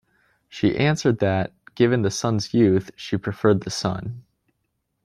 She answered that, given the son's youth, she preferred the son.